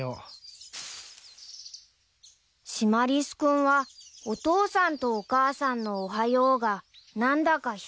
［シマリス君はお父さんとお母さんの「おはよう」が何だか久しぶりで］